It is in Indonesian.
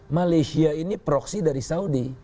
malaysia ini proksi dari saudi